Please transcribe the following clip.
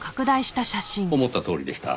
思ったとおりでした。